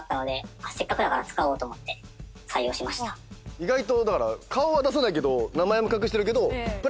意外と。